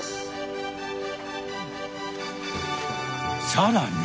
さらに！